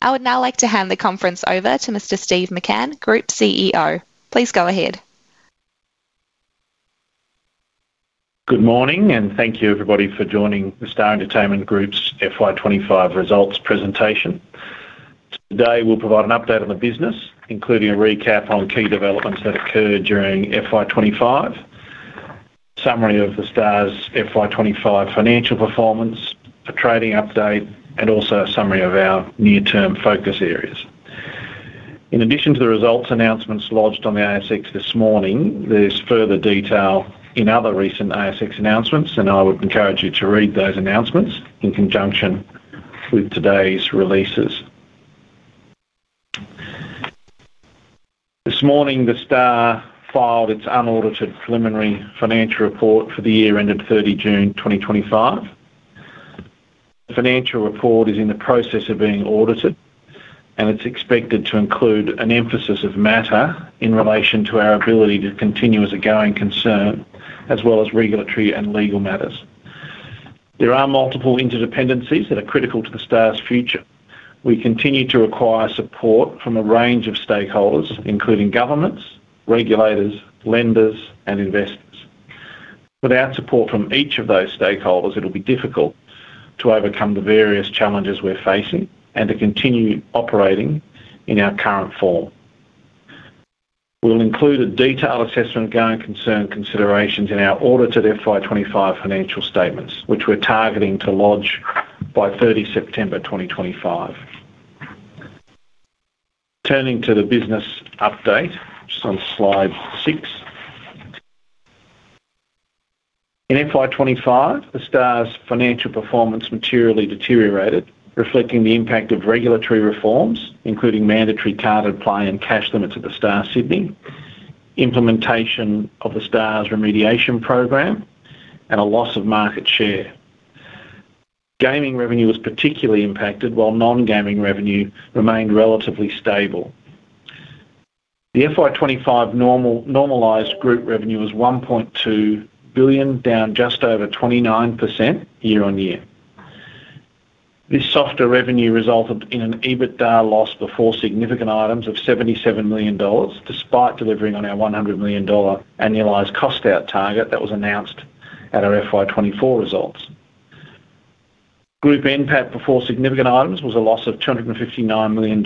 I would now like to hand the conference over to Mr. Steve McCann, Group CEO. Please go ahead. Good morning, and thank you everybody for joining The Star Entertainment Group's FY2025 Results Presentation. Today, we'll provide an update on the business, including a recap on key developments that occurred during FY2025, a summary of The Star's FY2025 Financial Performance, a trading update, and also a summary of our near-term focus areas. In addition to the results announcements lodged on the ASX this morning, there's further detail in other recent ASX announcements, and I would encourage you to read those announcements in conjunction with today's releases. This morning, The Star filed its unaudited preliminary financial report for the year ended 30 June 2025. The financial report is in the process of being audited, and it's expected to include an emphasis of matter in relation to our ability to continue as a going concern, as well as regulatory and legal matters. There are multiple interdependencies that are critical to The Star's future. We continue to require support from a range of stakeholders, including governments, regulators, lenders, and investors. Without support from each of those stakeholders, it'll be difficult to overcome the various challenges we're facing and to continue operating in our current form. We'll include a detailed assessment of going concern considerations in our audited FY2025 financial statements, which we're targeting to lodge by 30 September 2025. Turning to the business update, just on slide six. In FY2025, The Star's financial performance materially deteriorated, reflecting the impact of regulatory reforms, including mandatory carded play and cash limits at The Star Sydney, implementation of The Star's remediation programs, and a loss of market share. Gaming revenue was particularly impacted, while non-gaming revenue remained relatively stable. The FY2025 normalized group revenue was $1.2 billion, down just over 29% year-on-year. This softer revenue resulted in an EBITDA loss before significant items of $77 million, despite delivering on our $100 million annualized cost-out target that was announced at our FY2024 results. Group NPAT before significant items was a loss of $259 million,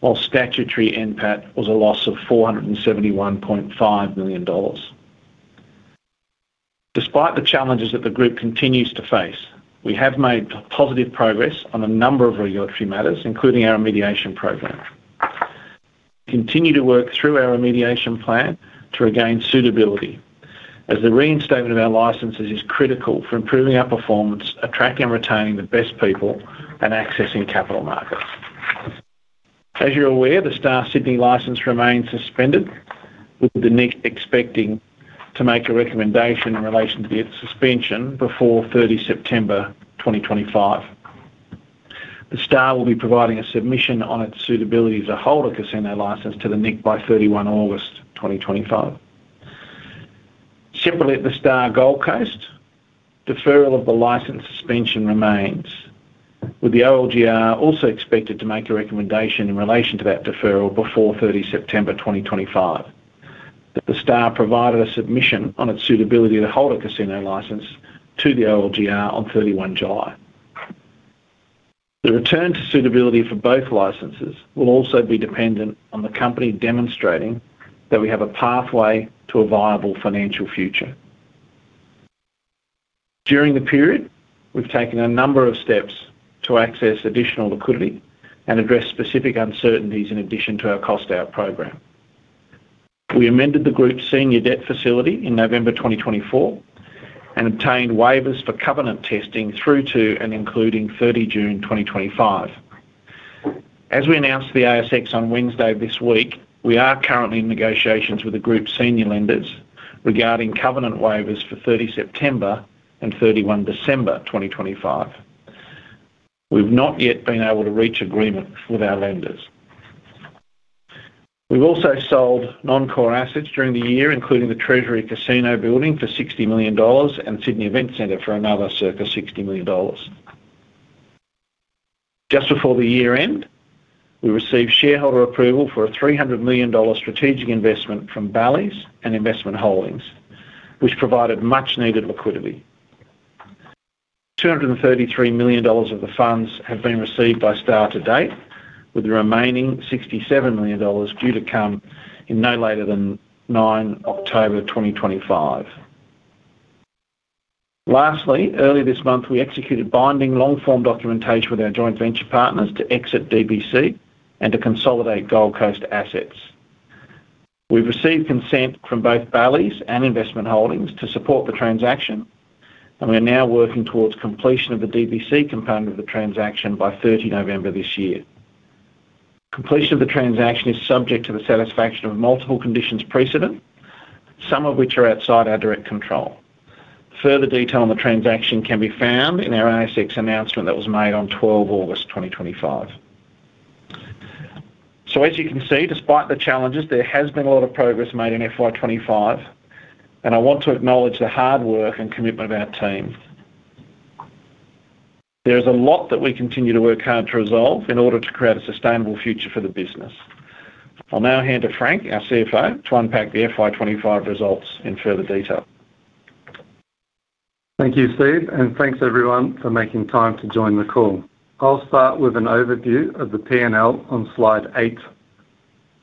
while statutory NPAT was a loss of $471.5 million. Despite the challenges that the group continues to face, we have made positive progress on a number of regulatory matters, including our remediation programs. We continue to work through our remediation plan to regain suitability, as the reinstatement of our licenses is critical for improving our performance at attracting and retaining the best people and accessing capital markets. As you're aware, The Star Sydney license remains suspended, with the NIC expected to make a recommendation in relation to its suspension before 30 September 2025. The Star will be providing a submission on its suitability as a holder concerning a license to the NIC by 31 August 2025. Similarly at The Star Gold Coast, deferral of the license suspension remains, with the OLGR also expected to make a recommendation in relation to that deferral before 30 September 2025. The Star provided a submission on its suitability to hold a casino license to the OLGR on 31 July. The return to suitability for both licenses will also be dependent on the company demonstrating that we have a pathway to a viable financial future. During the period, we've taken a number of steps to access additional liquidity and address specific uncertainties in addition to our cost-out program. We amended the group's senior debt facility in November 2024 and obtained waivers for covenant testing through to and including 30 June 2025. As we announced to the ASX on Wednesday this week, we are currently in negotiations with the group's senior lenders regarding covenant waivers for 30 September and 31 December 2025. We've not yet been able to reach agreement with our lenders. We've also sold non-core assets during the year, including the Treasury Casino Building for $60 million and Sydney Event Centre for another circa $60 million. Just before the year end, we received shareholder approval for a $300 million strategic investment from Bally's and Investment Holdings, which provided much-needed liquidity. $233 million of the funds have been received by The Star to date, with the remaining $67 million due to come in no later than 9 October 2025. Lastly, earlier this month, we executed binding long-form documentation with our joint venture partners to exit DBC and to consolidate Gold Coast assets. We've received consent from both Bally's and Investment Holdings to support the transaction, and we are now working towards completion of the DBC component of the transaction by 30 November this year. Completion of the transaction is subject to the satisfaction of multiple conditions precedent, some of which are outside our direct control. Further detail on the transaction can be found in our ASX announcement that was made on 12 August 2025. As you can see, despite the challenges, there has been a lot of progress made in FY2025, and I want to acknowledge the hard work and commitment of our team. There is a lot that we continue to work hard to resolve in order to create a sustainable future for the business. I'll now hand to Frank, our CFO, to unpack the FY2025 results in further detail. Thank you, Steve, and thanks everyone for making time to join the call. I'll start with an overview of the P&L on slide 8.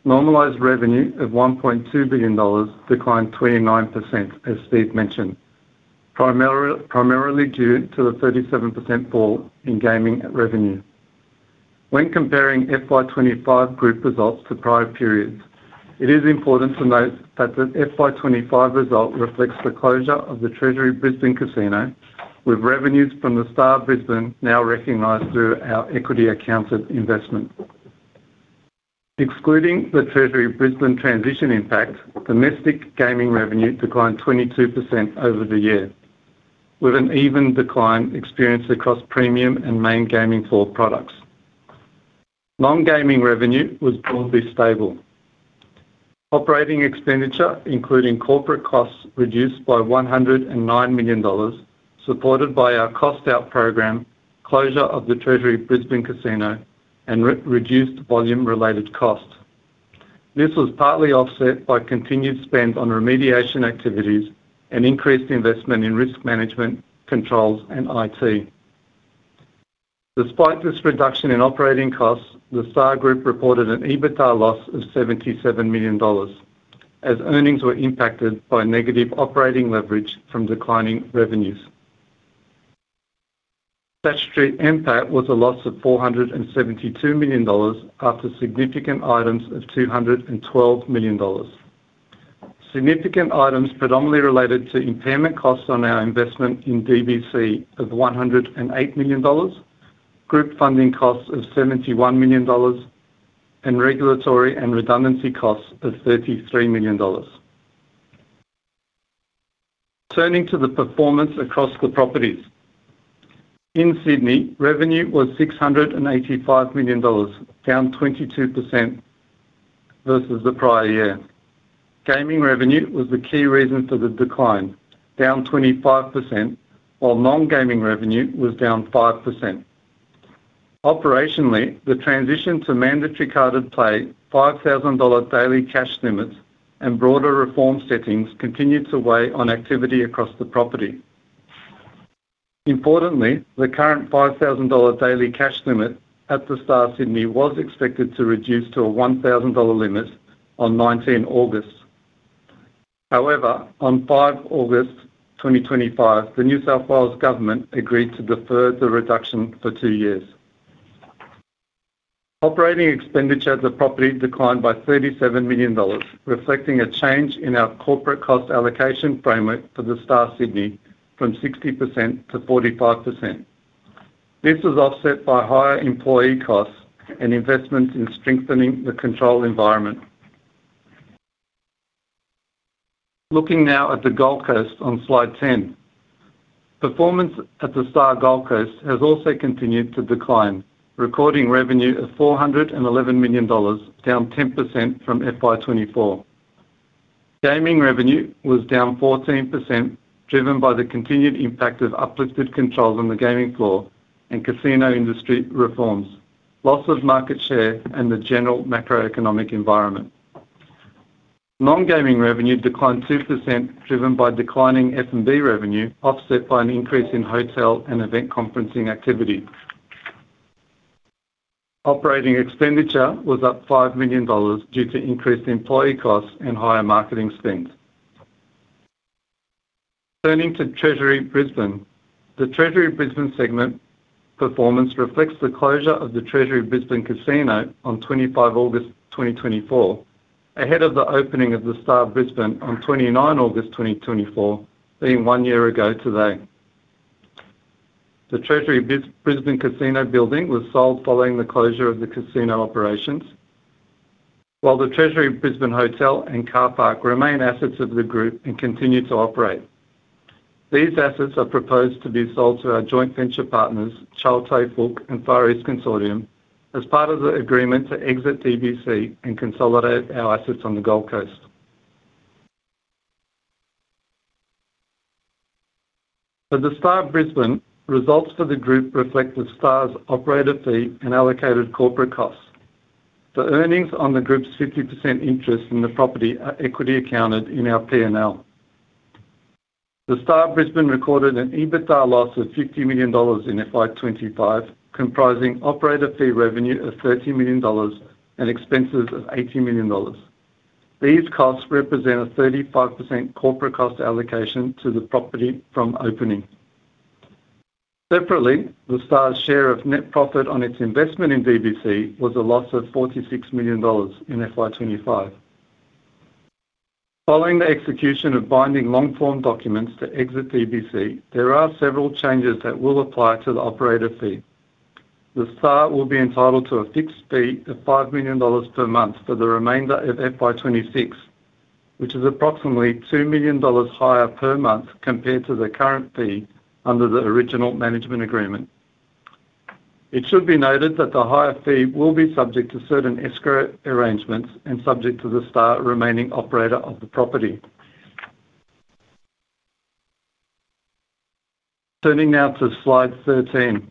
Normalized revenue of $1.2 billion declined 29%, as Steve mentioned, primarily due to the 37% fall in gaming revenue. When comparing FY2025 group results to prior periods, it is important to note that the FY2025 result reflects the closure of the Treasury Brisbane Casino, with revenues from The Star Brisbane now recognized through our equity-accounted investment. Excluding the Treasury Brisbane transition impact, domestic gaming revenue declined 22% over the year, with an even decline experienced across premium and main gaming floor products. Non-gaming revenue was broadly stable. Operating expenditure, including corporate costs, reduced by $109 million, supported by our cost-out program, closure of the Treasury Brisbane Casino, and reduced volume-related costs. This was partly offset by continued spend on remediation activities and increased investment in risk management, controls, and IT. Despite this reduction in operating costs, The Star Group reported an EBITDA loss of $77 million, as earnings were impacted by negative operating leverage from declining revenues. Statutory NPAT was a loss of $472 million after significant items of $212 million. Significant items predominantly related to impairment costs on our investment in DBC of $108 million, group funding costs of $71 million, and regulatory and redundancy costs of $33 million. Turning to the performance across the properties. In Sydney, revenue was $685 million, down 22% versus the prior year. Gaming revenue was the key reason for the decline, down 25%, while non-gaming revenue was down 5%. Operationally, the transition to mandatory carded play, $5,000 daily cash limits, and broader reform settings continued to weigh on activity across the property. Importantly, the current $5,000 daily cash limit at The Star Sydney was expected to reduce to a $1,000 limit on 19 August. However, on 5 August 2025, the New South Wales Government agreed to defer the reduction for two years. Operating expenditure at the property declined by $37 million, reflecting a change in our corporate cost allocation framework for The Star Sydney from 60% to 45%. This was offset by higher employee costs and investments in strengthening the control environment. Looking now at the Gold Coast on slide 10. Performance at The Star Gold Coast has also continued to decline, recording revenue of $411 million, down 10% from FY2024. Gaming revenue was down 14%, driven by the continued impact of uplifted controls on the gaming floor and casino industry reforms, loss of market share, and the general macroeconomic environment. Non-gaming revenue declined 2%, driven by declining F&B revenue offset by an increase in hotel and event conferencing activity. Operating expenditure was up $5 million due to increased employee costs and higher marketing spend. Turning to Treasury Brisbane, the Treasury Brisbane segment performance reflects the closure of the Treasury Brisbane Casino on 25 August 2024, ahead of the opening of The Star Brisbane on 29 August 2024, being one year ago today. The Treasury Casino Building was sold following the closure of the casino operations, while the Treasury Brisbane Hotel and Car Park remain assets of the group and continue to operate. These assets are proposed to be sold to our joint venture partners, Chow Tai Fook and Far East Consortium, as part of the agreement to exit DBC and consolidate our assets on the Gold Coast. For The Star Brisbane, results for the group reflect The Star's operator fee and allocated corporate costs. The earnings on the group's 50% interest in the property are equity accounted in our P&L. The Star Brisbane recorded an EBITDA loss of $50 million in FY2025, comprising operator fee revenue of $30 million and expenses of $80 million. These costs represent a 35% corporate cost allocation to the property from opening. Separately, The Star's share of net profit on its investment in DBC was a loss of $46 million in FY2025. Following the execution of binding long-form documents to exit DBC, there are several changes that will apply to the operator fee. The Star will be entitled to a fixed fee of $5 million per month for the remainder of FY2026, which is approximately $2 million higher per month compared to the current fee under the original management agreement. It should be noted that the higher fee will be subject to certain escrow arrangements and subject to The Star remaining operator of the property. Turning now to slide 13.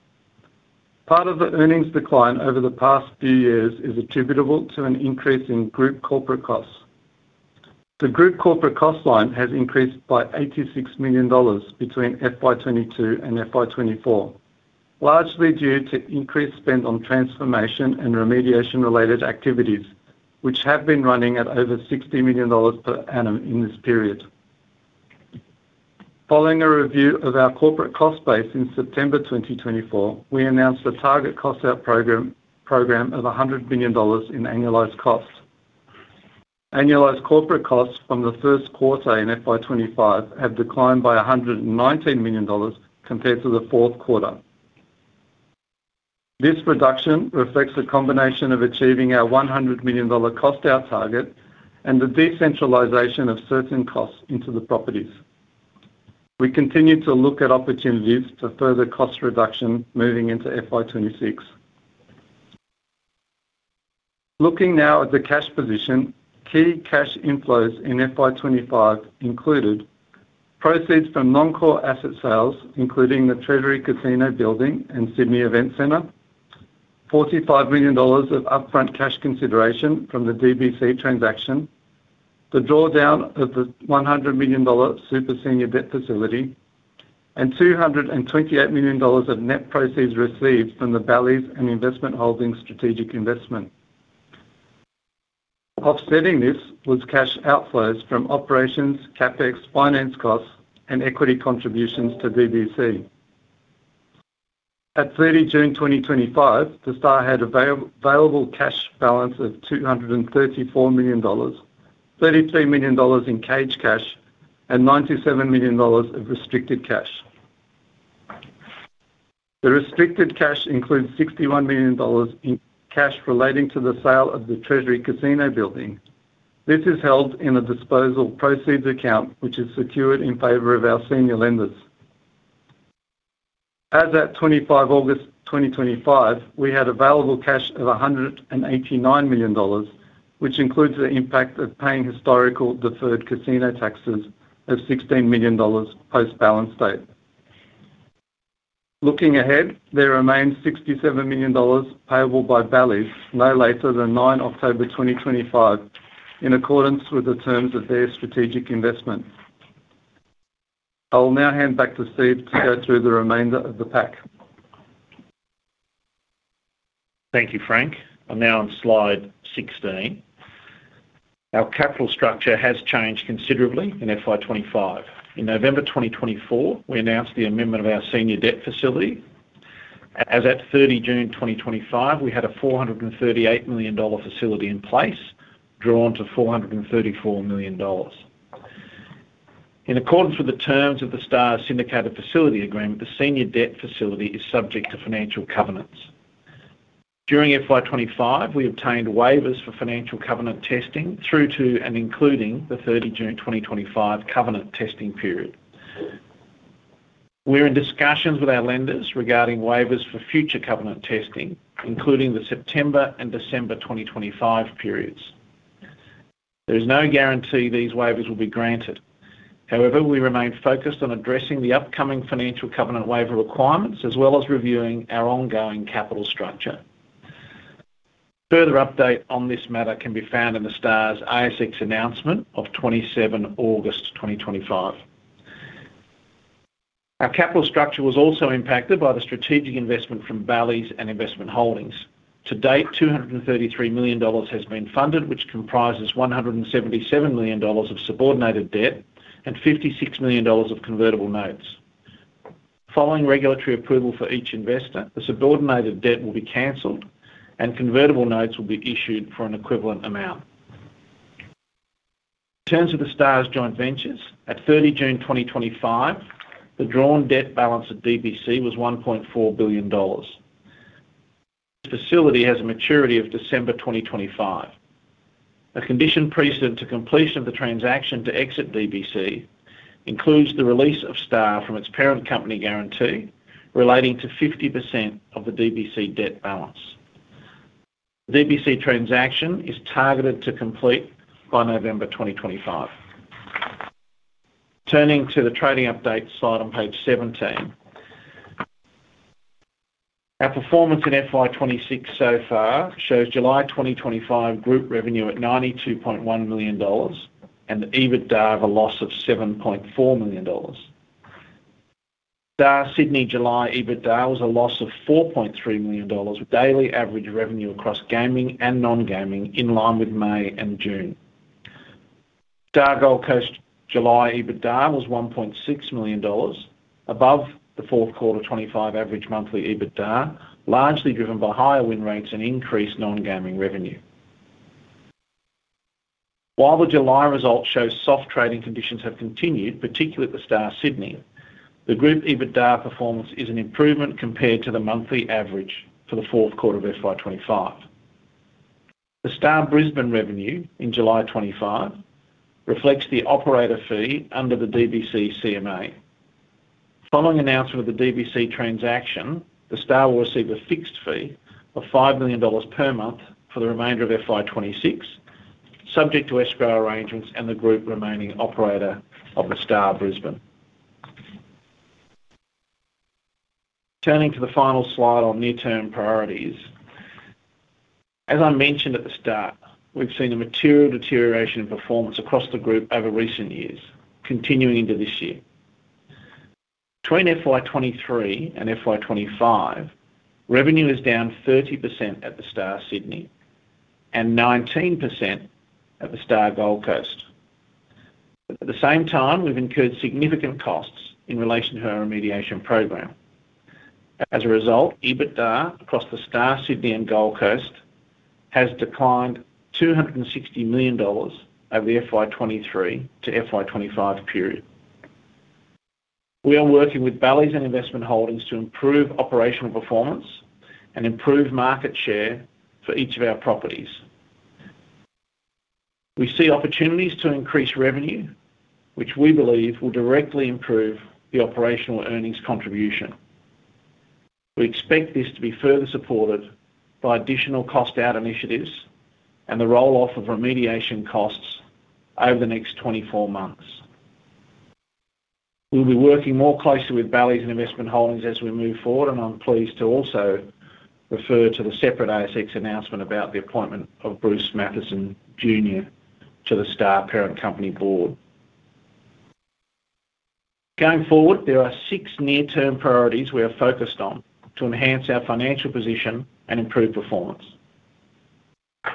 Part of the earnings decline over the past few years is attributable to an increase in group corporate costs. The group corporate cost line has increased by $86 million between FY2022 and FY2024, largely due to increased spend on transformation and remediation-related activities, which have been running at over $60 million per annum in this period. Following a review of our corporate cost base in September 2024, we announced the target cost-out program of $100 million in annualized costs. Annualized corporate costs from the first quarter in FY2025 have declined by $119 million compared to the fourth quarter. This reduction reflects a combination of achieving our $100 million cost-out target and the decentralization of certain costs into the properties. We continue to look at opportunities for further cost reduction moving into FY2026. Looking now at the cash position, key cash inflows in FY2025 included proceeds from non-core asset sales, including the Treasury Casino Building and Sydney Event Centre, $45 million of upfront cash consideration from the DBC transaction, the drawdown of the $100 million super senior debt facility, and $228 million of net proceeds received from the Bally's and Investment Holdings' strategic investment. Offsetting this was cash outflows from operations, CapEx, finance costs, and equity contributions to DBC. At 30 June 2025, The Star had an available cash balance of $234 million, $32 million in caged cash, and $97 million of restricted cash. The restricted cash includes $61 million in cash relating to the sale of the Treasury Casino Building. This is held in a disposal proceeds account, which is secured in favor of our senior lenders. As at 25 August 2025, we had available cash of $189 million, which includes the impact of paying historical deferred casino taxes of $16 million post-balance date. Looking ahead, there remains $67 million payable by Bally's no later than 9 October 2025, in accordance with the terms of their strategic investment. I will now hand back to Steve to go through the remainder of the pack. Thank you, Frank. I'm now on slide 16. Our capital structure has changed considerably in FY2025. In November 2024, we announced the amendment of our senior debt facility. As at 30 June 2025, we had a $438 million facility in place, drawn to $434 million. In accordance with the terms of The Star's syndicated facility agreement, the senior debt facility is subject to financial covenants. During FY2025, we obtained waivers for financial covenant testing through to and including the 30 June 2025 covenant testing period. We're in discussions with our lenders regarding waivers for future covenant testing, including the September and December 2025 periods. There is no guarantee these waivers will be granted. However, we remain focused on addressing the upcoming financial covenant waiver requirements, as well as reviewing our ongoing capital structure. Further update on this matter can be found in The Star's ASX announcement of 27 August 2025. Our capital structure was also impacted by the strategic investment from Bally's and Investment Holdings. To date, $233 million has been funded, which comprises $177 million of subordinated debt and $56 million of convertible notes. Following regulatory approval for each investor, the subordinated debt will be canceled and convertible notes will be issued for an equivalent amount. In terms of The Star's joint ventures, at 30 June 2025, the drawn debt balance of DBC was $1.4 billion. The facility has a maturity of December 2025. A condition precedent to completion of the transaction to exit DBC includes the release of Star from its parent company guarantee, relating to 50% of the DBC debt balance. The DBC transaction is targeted to complete by November 2025. Turning to the trading update slide on page 17, our performance in FY2026 so far shows July 2025 group revenue at $92.1 million and EBITDA of a loss of $7.4 million. Star Sydney July EBITDA was a loss of $4.3 million, with daily average revenue across gaming and non-gaming in line with May and June. Star Gold Coast July EBITDA was $1.6 million, above the fourth quarter 2025 average monthly EBITDA, largely driven by higher win rates and increased non-gaming revenue. While the July result shows soft trading conditions have continued, particularly at The Star Sydney, the group EBITDA performance is an improvement compared to the monthly average for the fourth quarter of FY2025. The Star Brisbane revenue in July 2025 reflects the operator fee under the DBC CMA. Following announcement of the DBC transaction, The Star will receive a fixed fee of $5 million per month for the remainder of FY2026, subject to escrow arrangements and the group remaining operator of The Star Brisbane. Turning to the final slide on new term priorities. As I mentioned at the start, we've seen a material deterioration in performance across the group over recent years, continuing into this year. Between FY2023 and FY2025, revenue is down 30% at The Star Sydney and 19% at The Star Gold Coast. At the same time, we've incurred significant costs in relation to our remediation program. As a result, EBITDA across The Star Sydney and Gold Coast has declined $260 million over the FY2023 to FY2025 period. We are working with Bally's and Investment Holdings to improve operational performance and improve market share for each of our properties. We see opportunities to increase revenue, which we believe will directly improve the operational earnings contribution. We expect this to be further supported by additional cost-out initiatives and the rolloff of remediation costs over the next 24 months. We'll be working more closely with Bally's and Investment Holdings as we move forward, and I'm pleased to also refer to the separate ASX announcement about the appointment of Bruce Mathieson Jr. to The Star Parent Company Board. Going forward, there are six near-term priorities we are focused on to enhance our financial position and improve performance.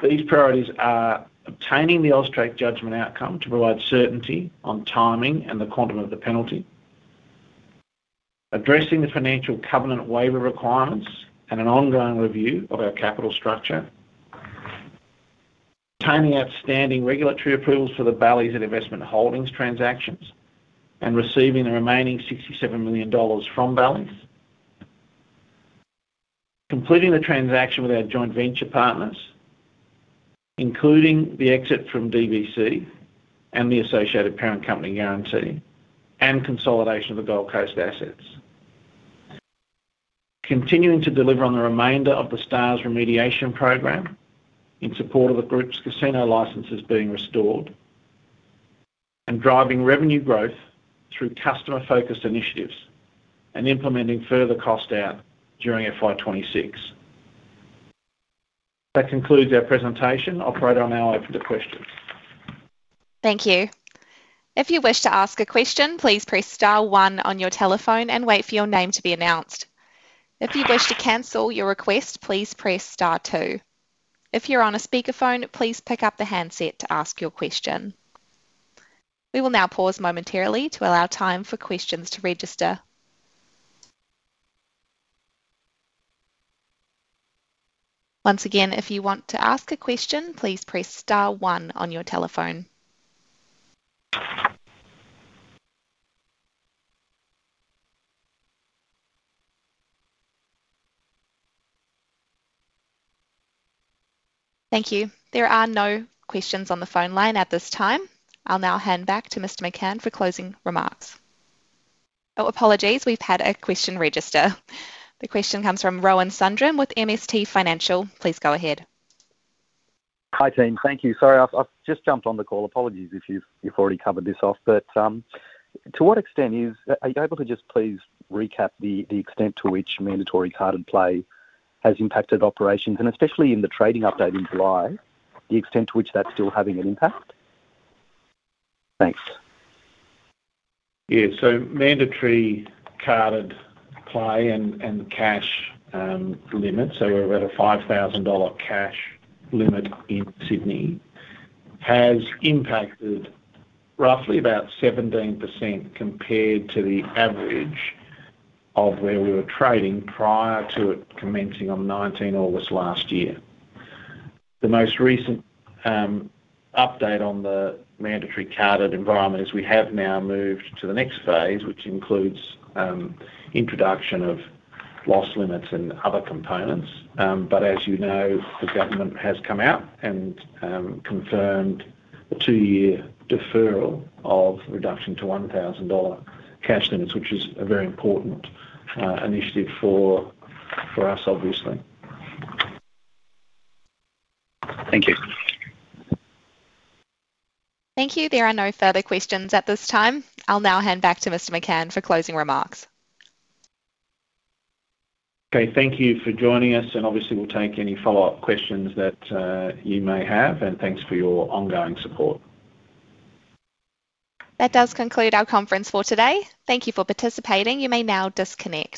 These priorities are obtaining the AUSTRAC judgment outcome to provide certainty on timing and the quantum of the penalty, addressing the financial covenant waiver requirements and an ongoing review of our capital structure, obtaining outstanding regulatory approvals for the Bally's and Investment Holdings transactions, and receiving the remaining $67 million from Bally's, completing the transaction with our joint venture partners, including the exit from DBC and the associated parent company guarantee, and consolidation of the Gold Coast assets, continuing to deliver on the remainder of The Star's remediation program in support of the group's casino licenses being restored, and driving revenue growth through customer-focused initiatives and implementing further cost out during FY2026. That concludes our presentation. Operator, I'm now open to questions. Thank you. If you wish to ask a question, please press star one on your telephone and wait for your name to be announced. If you wish to cancel your request, please press star two. If you're on a speakerphone, please pick up the handset to ask your question. We will now pause momentarily to allow time for questions to register. Once again, if you want to ask a question, please press star one on your telephone. Thank you. There are no questions on the phone line at this time. I'll now hand back to Mr. McCann for closing remarks. Apologies. We've had a question register. The question comes from Rohan Sundram with MST Financial. Please go ahead. Hi team, thank you. Sorry, I've just jumped on the call. Apologies if you've already covered this off. To what extent are you able to just please recap the extent to which mandatory carded play has impacted operations, especially in the trading update in July, the extent to which that's still having an impact? Thanks. Yeah, so mandatory carded play and the cash limits, so we're at a $5,000 cash limit in Sydney, has impacted roughly about 17% compared to the average of where we were trading prior to it commencing on 19 August last year. The most recent update on the mandatory carded environment is we have now moved to the next phase, which includes introduction of loss limits and other components. As you know, the government has come out and confirmed a two-year deferral of a reduction to $1,000 cash limits, which is a very important initiative for us, obviously. Thank you. Thank you. There are no further questions at this time. I'll now hand back to Mr. McCann for closing remarks. Okay, thank you for joining us, and obviously we'll take any follow-up questions that you may have, and thanks for your ongoing support. That does conclude our conference for today. Thank you for participating. You may now disconnect.